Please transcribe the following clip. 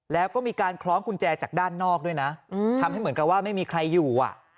แล้วก็มีการคล้องกุญแจจากด้านนอกด้วยนะทำให้เหมือนกับว่าไม่มีใครอยู่